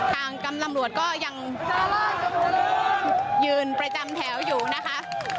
กำลังตำรวจก็ยังยืนประจำแถวอยู่นะคะ